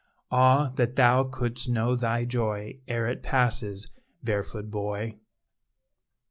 Ah! that thou couldst know thy joy, Ere it passes, barefoot boy!